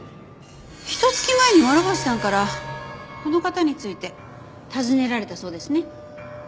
ひと月前に諸星さんからこの方について尋ねられたそうですね。